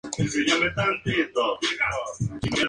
En la actualidad entrena al Pallacanestro Olimpia Milano.